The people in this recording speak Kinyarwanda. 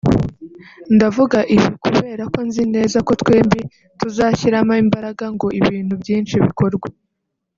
ndavuga ibi kubera ko nzi neza ko twembi tuzashyiramo imbaraga ngo ibintu byinshi bikorwe